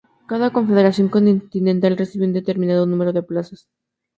Cada confederación continental recibió un determinado número de plazas.